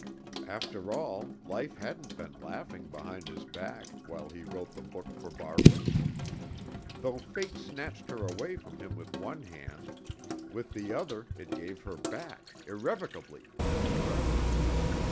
After all, life hadn't been laughing behind his back, while he wrote the book for Barbara. Though Fate snatched her away from him with one hand, with the other it gave her back, irrevocably and forever.